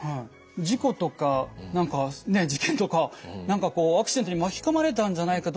事故とか何か事件とか「何かこうアクシデントに巻き込まれたんじゃないか。